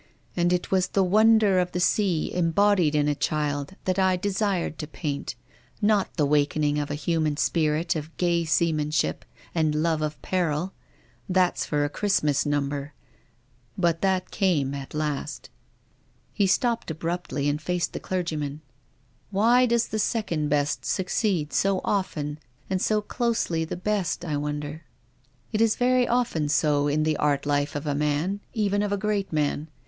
And it was the wonder of the sea embodied in a child that I de sired to paint, not the wakening of a human spirit of gay seamanship and love of peril. That's for a Christmas number — but that came at last." THE RAINBOW. 35 He stopped abruptly and faced the clergyman. " Why does the second best succeed so often and so closely the best, I wonder?" he said. " It is very often so in the art life of a man, even of a great man.